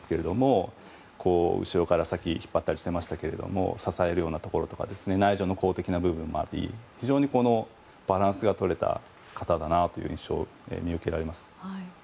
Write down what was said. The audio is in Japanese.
さっき、後ろから引っ張ったりしていましたが支えるようなところとか内助の功的な部分があり非常に、バランスが取れた方だなという印象が見受けられます。